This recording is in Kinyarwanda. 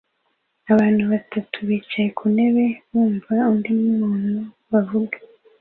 Abantu batatu bicaye ku ntebe bumva undi muntu bavuga